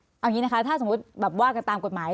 เอาอย่างนี้นะคะถ้าสมมุติแบบว่ากันตามกฎหมาย